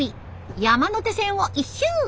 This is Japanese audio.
山手線を一周！